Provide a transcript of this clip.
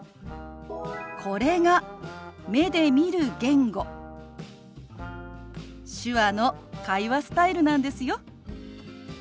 これが目で見る言語手話の会話スタイルなんですよ。